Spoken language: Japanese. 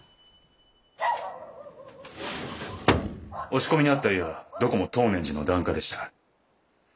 押し込みに遭った家はどこも東念寺の檀家でした。